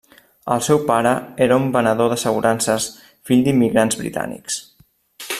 El seu pare era un venedor d’assegurances fill d’immigrants britànics.